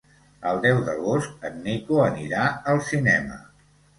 El deu d'agost en Nico anirà al cinema.